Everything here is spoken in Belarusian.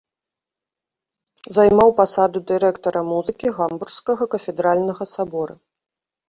Займаў пасаду дырэктара музыкі гамбургскага кафедральнага сабора.